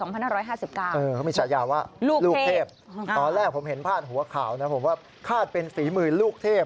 ภาษาหน้าร้อยห้าสิบก้าวลูกเทพตอนแรกผมเห็นผ้าหัวข่าวนะผมว่าฆาตเป็นศรีมือลูกเทพ